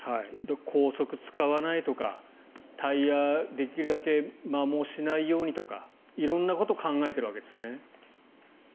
高速を使わないとかタイヤできるだけ摩耗しないようにとか色んなことを考えているわけですね。